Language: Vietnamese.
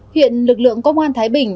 hiện lực lượng công an thái bình